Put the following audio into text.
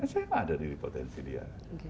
saya mah ada diri potensi dia